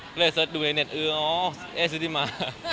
อเจมส์ก็เลยเสิร์ชดูในเน็ตอ๋อเอ๊ะชุติมา